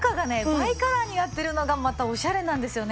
バイカラーになってるのがまたオシャレなんですよね。